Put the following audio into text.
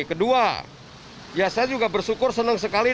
kedua ya saya juga bersyukur senang sekali